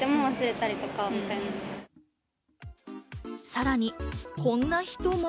さらにこんな人も。